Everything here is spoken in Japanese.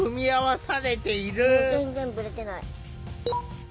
全然ぶれてない。